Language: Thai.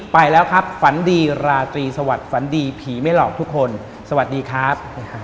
ไปแล้วครับฝันดีราตรีสวัสดีฝันดีผีไม่หลอกทุกคนสวัสดีครับ